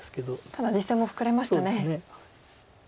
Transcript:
ただ実戦もフクレましたね。